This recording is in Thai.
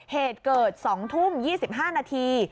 เหตุเกิดสองทุ่มยี่สิบห้านาที